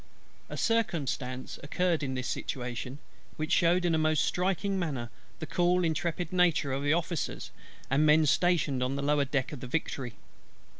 A circumstance occurred in this situation, which shewed in a most striking manner the cool intrepidity of the Officers and men stationed on the lower deck of the Victory.